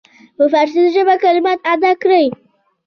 په فارسي ژبه کلمات ادا کړل.